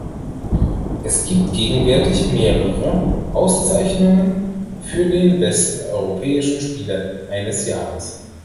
Es gibt gegenwärtig mehrere Auszeichnungen für den besten europäischen Spieler eines Jahres.